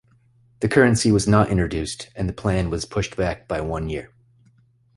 The currency was not introduced, and the plan was pushed back by one year.